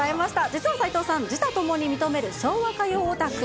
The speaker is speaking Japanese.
実は齊藤さん、自他ともに認める昭和歌謡オタク。